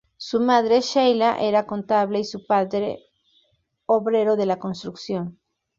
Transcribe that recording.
Su madre, Sheila, era contable y su padre, obrero de la construcción.